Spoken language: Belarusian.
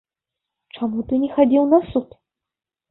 Чаму ты не хадзіў на суд?!.